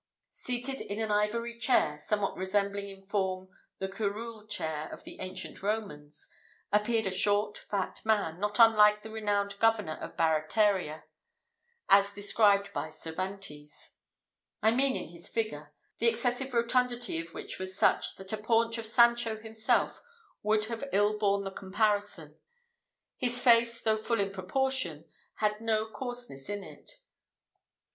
Seated in an ivory chair, somewhat resembling in form the curule chair of the ancient Romans, appeared a short fat man, not unlike the renowned governor of Barataria, as described by Cervantes; I mean in his figure; the excessive rotundity of which was such, that the paunch of Sancho himself would have ill borne the comparison. His face, though full in proportion, had no coarseness in it.